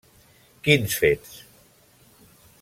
Quins fets?